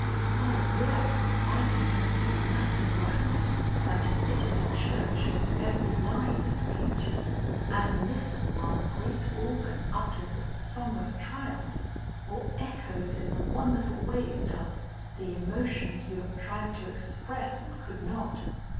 "O yes, I can conceive nothing grander than to sit in a church whose every line is beauty and listen while the great organ utters its song of triumph or echoes in the wonderful way it does, the emotions you have tried to express and could not.